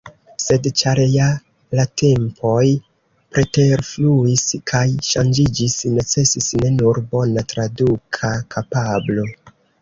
Sed ĉar ja la tempoj preterfluis kaj ŝanĝiĝis, necesis ne nur bona traduka kapablo.